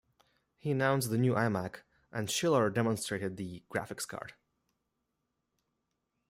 He announced the new iMac, and Schiller demonstrated the graphics card.